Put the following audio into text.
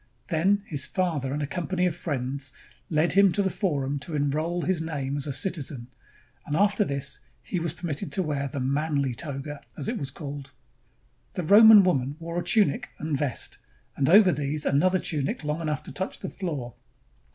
Then his father and a company of friends led him to the forum to enroll his name as a citizen, and after this he was permitted to wear the "manly toga," ^s it was called. The Roman woman wore a tunic and vest, and over these another tunic long enough to touch the floor.